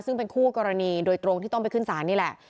ซึ่งเป็นคู่กรณีโดยตรงที่ต้องไปขึ้นศาลนี่แหละ